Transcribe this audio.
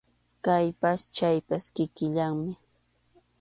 Kaypas chaypas kikillanmi.